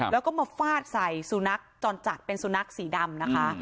แล้วก็มาฟาดใส่สุนัขจรจัดเป็นสุนัขสีดำนะคะ